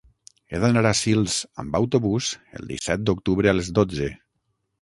He d'anar a Sils amb autobús el disset d'octubre a les dotze.